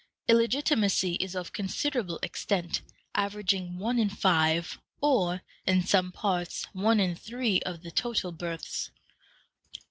Illegitimacy is of considerable extent, averaging one in five, or, in some parts, one in three of the total births.